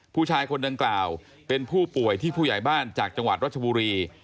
ผู้ชายคนดังกล่าวเป็นผู้ป่วยที่ผู้ใหญ่บ้านจากจังหวัดรัชบุรี